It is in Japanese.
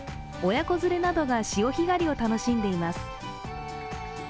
親子連れなどが潮干狩りを楽しんでいます。